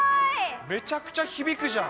めちゃくちゃ響くじゃん。